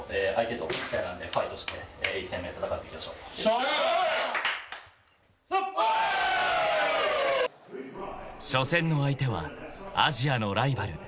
［初戦の相手はアジアのライバルイラン］